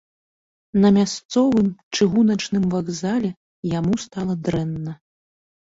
На мясцовым чыгуначным вакзале яму стала дрэнна.